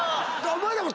⁉お前らも。